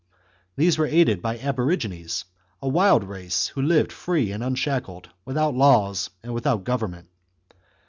These were aided by Aborigines, a wild race who lived free and un shackled, without laws and without government.